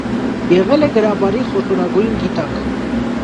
Եղել է գրաբարի խոշորագույն գիտակ։